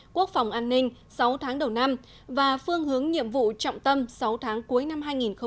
quốc phòng an ninh sáu tháng đầu năm và phương hướng nhiệm vụ trọng tâm sáu tháng cuối năm hai nghìn hai mươi